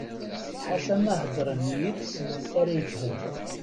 Ḥaca ma hedren yid-s ara yefhem.